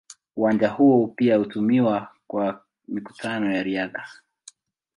Uwanja huo pia hutumiwa kwa mikutano ya riadha.